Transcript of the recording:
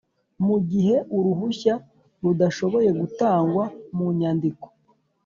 Mu gihe uruhushya rudashoboye gutangwa munyandiko